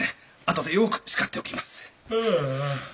後でよく叱っておきます。